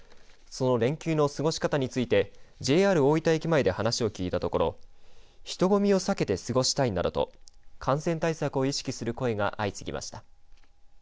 その連休の過ごし方についてＪＲ大分駅前で話を聞いたところ人混みを避けて過ごしたいなどと感染対策を意識する声が相次ぎました。